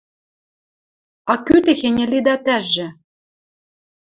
«А кӱ техеньӹ лидӓ тӓжӹ?